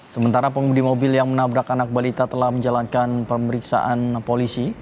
sementara pengumudi mobil yang menabrak anak balita telah menjalankan pemeriksaan polisi